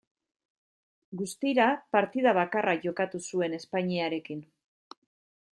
Guztira partida bakarra jokatu zuen Espainiarekin.